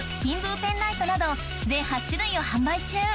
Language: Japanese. ○×ペンライトなど全８種類を販売中！